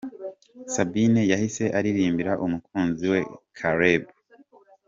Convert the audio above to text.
Sabine yahise aririmbira umukunze we Caleb.